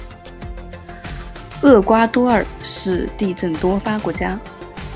厄瓜多尔是地震多发国家。